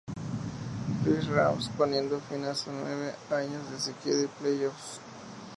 Louis Rams, poniendo fin a sus nueve años de sequía de playoffs.